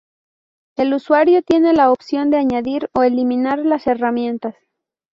El usuario tiene la opción de añadir o eliminar las herramientas.